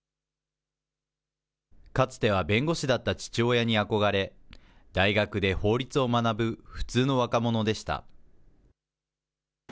かつては弁護士だった父親に憧れ、大学で法律を学ぶ普通の若者でした。